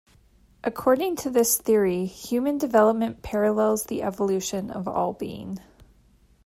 According to this theory, human development parallels the evolution of all being.